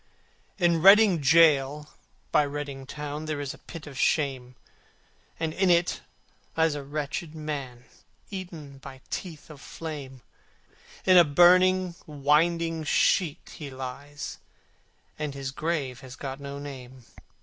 VI In Reading gaol by Reading town There is a pit of shame, And in it lies a wretched man Eaten by teeth of flame, In a burning winding sheet he lies, And his grave has got no name.